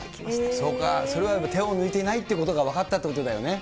そうか、それはやっぱり、手を抜いていないってことが分かったってことだね。